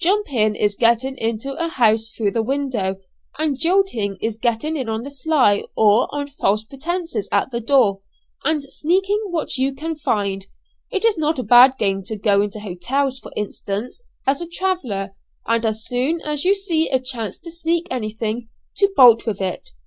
'" "'Jumping' is getting into a house through the window; and 'jilting' is getting in on the sly, or on false pretences at the door, and sneaking what you can find. It's not a bad game to go into hotels, for instance, as a traveller, and as soon as you see a chance to sneak anything, to bolt with it.